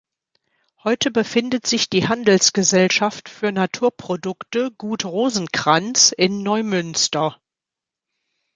Heute befindet sich die "Handelsgesellschaft für Naturprodukte Gut Rosenkrantz" in Neumünster.